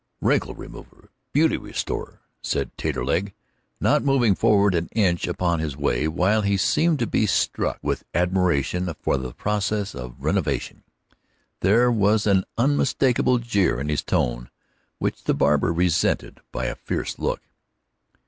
"Wrinkle remover, beauty restorer," said Taterleg, not moving forward an inch upon his way. While he seemed to be struck with admiration for the process of renovation, there was an unmistakable jeer in his tone which the barber resented by a fierce look.